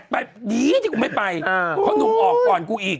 แบบดีที่ไม่ไปเพราะนุ่งออกก่อนกูอีก